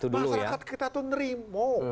masyarakat kita itu nerimu